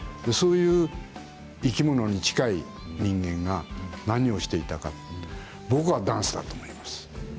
そういう生き物に近い人間が何をしていたかというと僕はダンスだと思います。